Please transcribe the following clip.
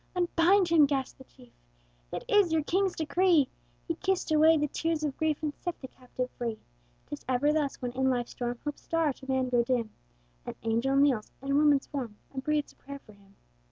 "Unbind him!" gasped the chief: "It is your king's decree!" He kiss'd away the tears of grief, And set the captive free! 'Tis ever thus, when in life's storm Hope's star to man grows dim, An angel kneels, in woman's form, And breathes a prayer for him.